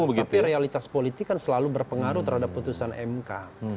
tapi realitas politik kan selalu berpengaruh terhadap putusan mk